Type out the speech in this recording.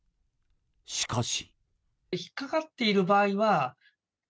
しかし。